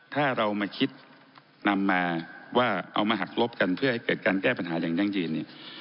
ถ้าเรามาคิดนำมาว่าเอามาหักลบกันเพื่อให้เกิดการแก้ปัญหาอย่างยั่งยืนเนี่ย